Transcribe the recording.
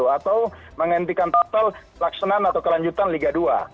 atau menghentikan total laksanan atau kelanjutan liga dua